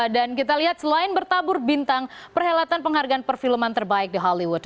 dan kita lihat selain bertabur bintang perhelatan penghargaan perfilman terbaik di hollywood